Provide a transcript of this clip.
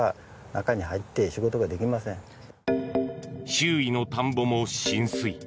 周囲の田んぼも浸水。